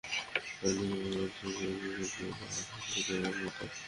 যার নিচ ও উপরের মধ্যে ততটুকু দূরত্ব, যতটুকু আকাশ ও পৃথিবীর মধ্যে।